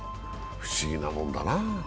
不思議なもんだな。